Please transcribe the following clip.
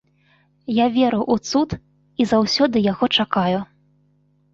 Я веру ў цуд і заўсёды яго чакаю.